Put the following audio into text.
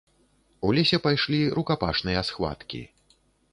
У лесе пайшлі рукапашныя схваткі.